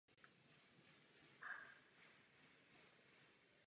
Prašníky jsou žluté.